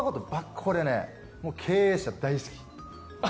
これ経営者、大好き。